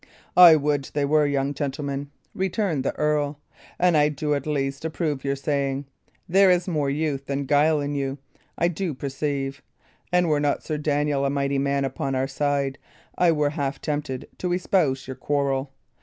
"I would they were, young gentleman," returned the earl; "and I do at least approve your saying. There is more youth than guile in you, I do perceive; and were not Sir Daniel a mighty man upon our side, I were half tempted to espouse your quarrel.